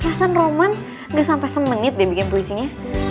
perasaan roman gak sampai semenit deh bikin poesinya